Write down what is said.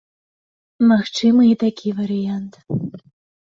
Магчымы і такі варыянт.